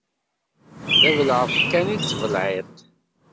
D abelεeṭ kan i tettbelεiṭ.